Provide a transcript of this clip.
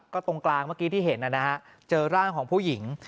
ก็ตรงกลางเมื่อกี้ที่เห็นนะฮะเจอร่างของผู้หญิง